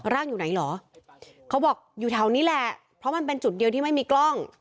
อยู่ไหนเหรอเขาบอกอยู่แถวนี้แหละเพราะมันเป็นจุดเดียวที่ไม่มีกล้อง